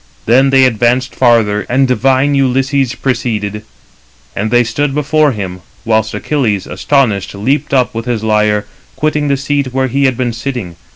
Then they advanced farther, and divine Ulysses preceded; and they stood before him; whilst Achilles, astonished, leaped up, with his lyre, quitting the seat where he had been sitting.